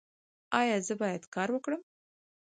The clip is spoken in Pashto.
ایا زه باید کار وکړم؟